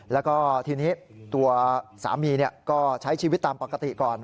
แล้วก็ทีนี้ตัวสามีก็ใช้ชีวิตตามปกติก่อน